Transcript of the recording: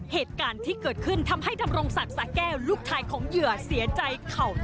เหตุการณ์ที่เกิดขึ้นทำให้ดำรงศักดิ์สะแก้วลูกชายของเหยื่อเสียใจเข่า